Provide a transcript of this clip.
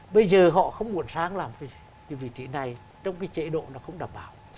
bây giờ họ không muốn sáng làm cái vị trí này trong cái chế độ nó không đảm bảo